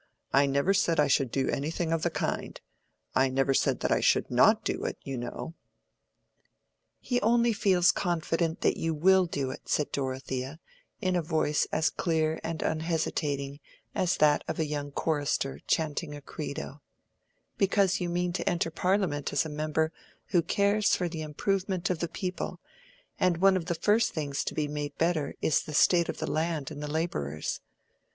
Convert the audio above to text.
I never said I should do anything of the kind. I never said I should not do it, you know." "He only feels confident that you will do it," said Dorothea, in a voice as clear and unhesitating as that of a young chorister chanting a credo, "because you mean to enter Parliament as a member who cares for the improvement of the people, and one of the first things to be made better is the state of the land and the laborers.